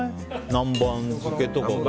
南蛮漬けとか。